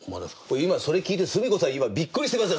今それ聞いてすみこさんびっくりしてますよ！